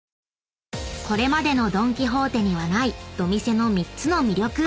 ［これまでのドン・キホーテにはないドミセの３つの魅力］